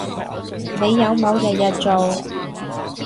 你有冇日日做